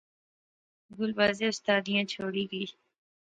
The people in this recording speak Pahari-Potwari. گل بعضے استادیں توڑی گئی